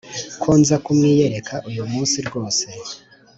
ko nza kumwiyereka uyu munsi rwose